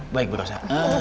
baik bu rosa